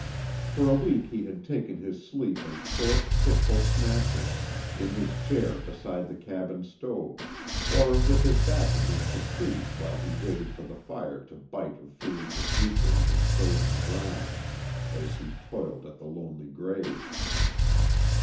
For a week he had taken his sleep in short fitful snatches, in his chair beside the cabin stove, or with his back against a tree while he waited for the fire to bite a few inches deeper into the frozen ground as he toiled at the lonely grave.